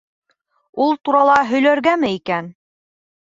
Ул турала һөйләргәме икән?